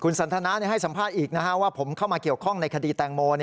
สันทนาให้สัมภาษณ์อีกว่าผมเข้ามาเกี่ยวข้องในคดีแตงโม